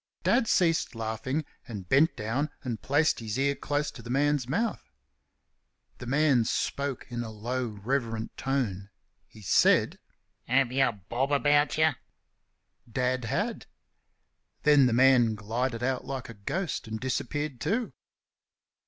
Dad ceased laughing and bent down and placed his ear close to the man's mouth. The man spoke in a low, reverent tone. He said: "Have y'a bob about y'?" Dad had. Then the man glided out like a ghost and disappeared too.